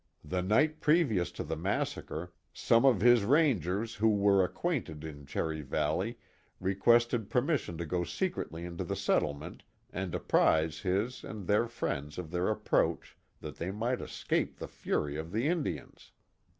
The night previous to the massacre, some of his rangers who were acquainted in Cherry Valley, requested per mission to RO secretly into the settlement and apprise his and their friends of their approach, that they might escape the fury of the Indians.